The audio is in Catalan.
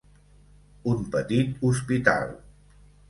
Un petit hospital.